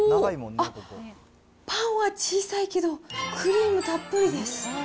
あっ、パンは小さいけど、クリームたっぷりです。